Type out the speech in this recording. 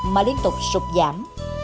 mà liên tục sụp giảm